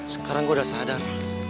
sekarang gue udah sadar